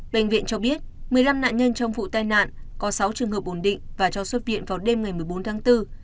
bệnh viện cho biết một mươi năm nạn nhân trong vụ tai nạn có sáu trường hợp ổn định và cho xuất viện vào đêm ngày một mươi bốn tháng bốn